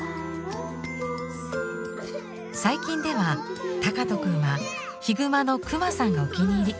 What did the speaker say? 最近では敬斗くんは「ヒグマのクマさん」がお気に入り。